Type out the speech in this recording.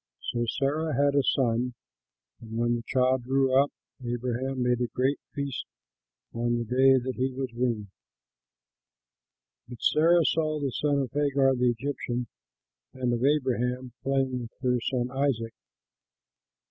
So Sarah had a son, and when the child grew up, Abraham made a great feast on the day that he was weaned. But Sarah saw the son of Hagar the Egyptian and of Abraham playing with her son Isaac.